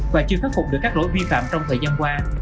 và chưa khắc phục được các lỗi vi phạm trong thời gian qua